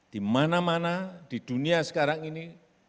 di mana mana di dunia sekarang ini